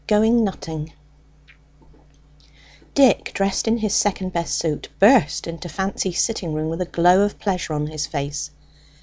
GOING NUTTING Dick, dressed in his 'second best' suit, burst into Fancy's sitting room with a glow of pleasure on his face.